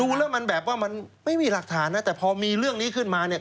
ดูแล้วมันแบบว่ามันไม่มีหลักฐานนะแต่พอมีเรื่องนี้ขึ้นมาเนี่ย